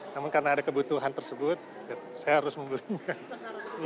namun karena ada kebutuhan tersebut saya harus membutuhkan